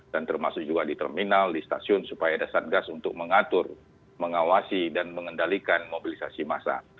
dan termasuk juga di terminal di stasiun supaya ada satgas untuk mengatur mengawasi dan mengendalikan mobilisasi massa